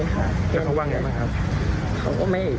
แล้วเขาว่าไงบ้างครับ